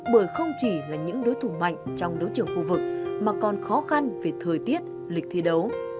bởi không chỉ là những đối thủ mạnh trong đấu trường khu vực mà còn khó khăn về thời tiết lịch thi đấu